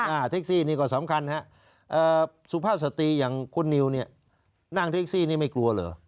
เท็กซี่นี่ก็สำคัญฮะเอ่อสุภาพสตรีอย่างคุณนิวเนี่ยนั่งเท็กซี่นี่ไม่กลัวเหรอ